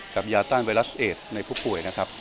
กับยาต้านไวรัสเอสในผู้ป่วยนะครับ